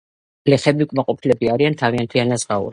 გლეხები უკმაყოფილოები არიან თავიანთი ანაზღაურებით.